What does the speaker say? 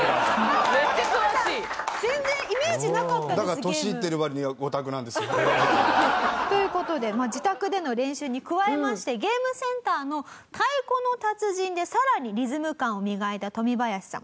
だから年いってる割にはオタクなんですよ。という事で自宅での練習に加えましてゲームセンターの『太鼓の達人』でさらにリズム感を磨いたトミバヤシさん。